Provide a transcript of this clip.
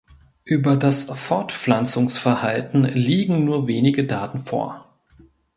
Über das Fortpflanzungsverhalten liegen nur wenige Daten vor.